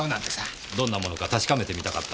どんなものか確かめてみたかったもので。